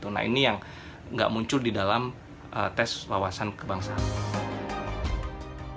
nah ini yang nggak muncul di dalam tes wawasan kebangsaan